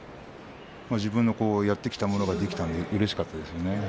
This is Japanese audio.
自分のしてきたものができたのでうれしかったです。